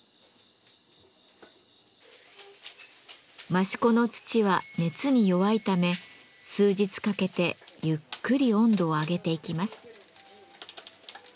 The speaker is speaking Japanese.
益子の土は熱に弱いため数日かけてゆっくり温度を上げていきます。